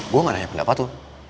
gue gak nanya pendapat tuh